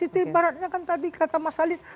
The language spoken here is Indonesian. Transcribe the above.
itu ibaratnya kan tadi kata mas halid